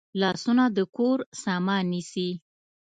لاسونه د کور سامان نیسي